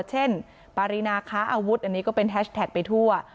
ปารีนาค้าอาวุธอันนี้ก็เป็นแฮชแท็กไปทั่ว